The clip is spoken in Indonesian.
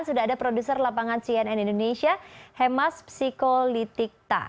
sudah ada produser lapangan cnn indonesia hemas psikolitikta